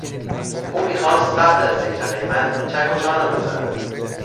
او میخواست قبل از ذکر قیمت چک و چانه بزند.